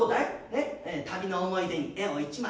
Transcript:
ねえ旅の思い出に絵を１枚。